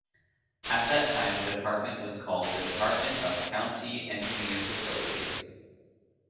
At that time the department was called the Department of County Engineer-Facilities.